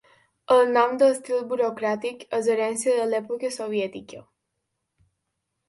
El nom d'estil burocràtic és herència de l'època soviètica.